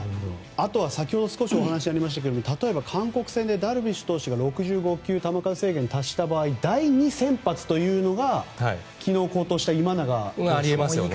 あとは少し先ほどお話がありましたが例えば韓国戦でダルビッシュ投手が６５球球数制限に達した場合第２先発というのが昨日、好投したありますね。